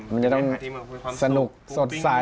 มันจะมีความสนุกสดใส